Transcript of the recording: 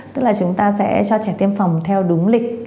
tức là chúng ta sẽ cho trẻ tiêm phòng theo đúng lịch